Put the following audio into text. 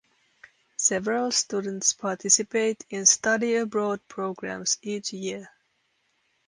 Several students participate in study abroad programs each year.